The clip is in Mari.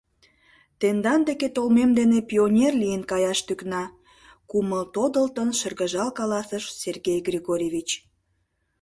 Тендан деке толмем дене пионер лийын каяш тӱкна, — кумыл тодылтын, шыргыжал каласыш Сергей Григорьевич.